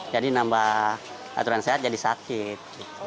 jadi nambah aturan sehat jadi sakit